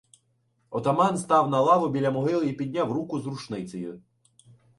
Отаман став на лаву біля могили і підняв руку з рушницею.